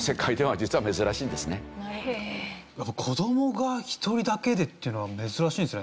子どもが１人だけでっていうのは珍しいんですね。